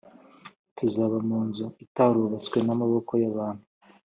Tuzaba mu nzu itarubatswe n’amaboko y’abantu